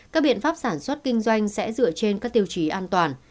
các biện pháp sản xuất kinh doanh sẽ dựa trên các tiêu chí an toàn